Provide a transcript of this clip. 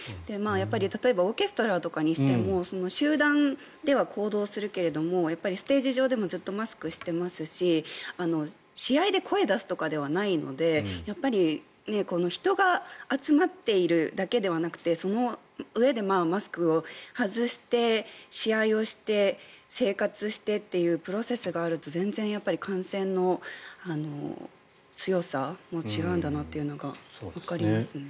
やっぱり例えばオーケストラとかにしても集団では行動するけどもステージ上でもずっとマスクをしていますし試合で声を出すとかではないのでやっぱり人が集まっているだけではなくてそのうえでマスクを外して、試合をして生活をしてっていうプロセスがあると全然、感染の強さも違うんだなというのがわかりますね。